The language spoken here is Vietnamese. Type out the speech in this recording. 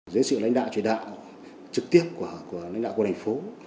dưới sự lãnh đạo truyền đạo trực tiếp của lãnh đạo quân hành phố